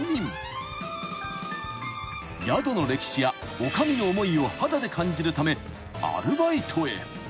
［宿の歴史や女将の思いを肌で感じるためアルバイトへ］